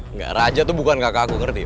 enggak raja tuh bukan kakak aku ngerti